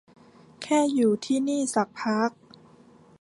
แค่อยู่ที่นี่สักพัก